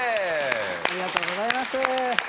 ありがとうございます。